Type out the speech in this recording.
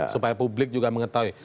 supaya publik juga mengetahui